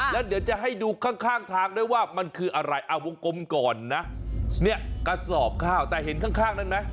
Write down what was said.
แล้วเดี๋ยวจะให้ดูข้างข้างทางด้วยว่ามันคืออะไรเอาวงกลมก่อนนะเนี่ยกระสอบข้าวแต่เห็นข้างข้างนั้นไหม